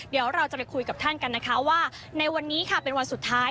เดี๋ยวเราจะไปคุยกับท่านกันนะคะว่าในวันนี้ค่ะเป็นวันสุดท้าย